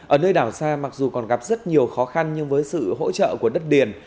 ở nơi đảo xa mặc dù còn gặp rất nhiều khó khăn nhưng với sự hỗ trợ của đất điền